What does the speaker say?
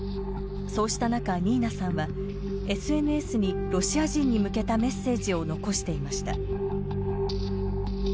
そうした中ニーナさんはＳＮＳにロシア人に向けたメッセージを残していました。